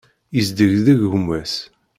Yesdegdeg gma-s.